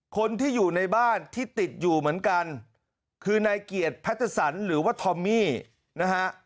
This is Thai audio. คนที่อยู่ในบ้านที่ติดอยู่เหมือนกันคือนายเกียรติพัชสันหรือว่าทอมมี่นะฮะ